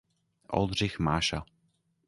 Oldřich Máša.